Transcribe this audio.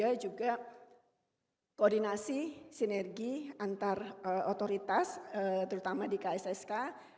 saya juga koordinasi sinergi antar otoritas terutama di kssk